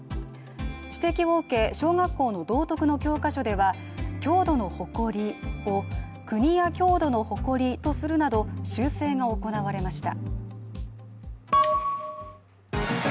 指摘を受け、小学校の道徳の教科書では「郷土のほこり」を、「国や郷土のほこり」とするなど修正が行われました。